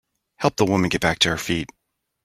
Help the woman get back to her feet.